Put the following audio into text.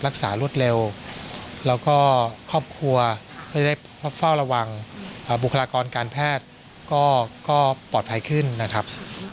รวดเร็วแล้วก็ครอบครัวก็ได้เฝ้าระวังบุคลากรการแพทย์ก็ปลอดภัยขึ้นนะครับ